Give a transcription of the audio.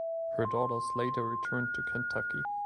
Her daughters later returned to Kentucky.